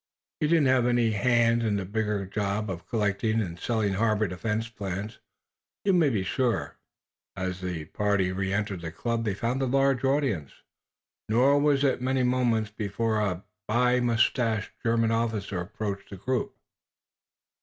He didn't have any hand in the bigger job of collecting and selling harbor defense plans, you may be sure." As the party re entered the club they found a large attendance. Nor was it many moments before a be moustached German officer approached the group.